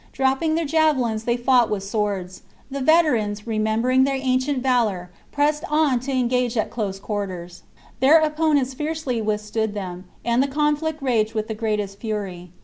Dropping their javelins, they fought with swords. The veterans, remembering their ancient valour, pressed on to engage at close quarters ; their opponents fiercely withstood them, and the conflict raged with the greatest fury.